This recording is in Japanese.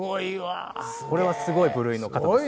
これはすごい部類の方です。